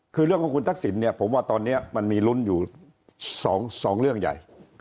คือเรื่องของคุณทักษิณเนี่ยผมว่าตอนนี้มันมีลุ้นอยู่๒เรื่องใหญ่